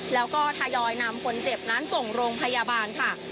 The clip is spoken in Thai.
แล้วก็ทยอยนำคนเจ็บนั้นส่งโรงพยาบาลค่ะ